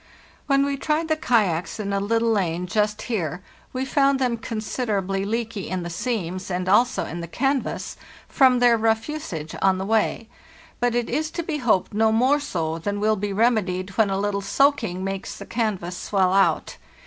"When we tried the kayaks in a little lane just here 248 PARTIES? NORTLTTT we found them considerably leaky in the seams and also in the canvas, from their rough usage on the way, but it is to be hoped no more so than will be remedied when a little soaking makes the canvas swell out.